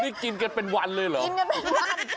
นี่กินกันเป็นวันเลยเหรอกินกันเป็นวัน